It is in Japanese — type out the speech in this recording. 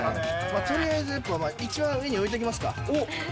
とりあえずやっぱ一番上に置いときますか。